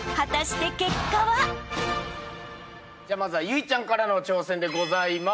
まずは有以ちゃんからの挑戦でございます。